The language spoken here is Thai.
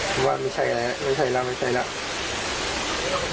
เพราะว่าไม่ใช่แล้วไม่ใช่แล้วไม่ใช่แล้ว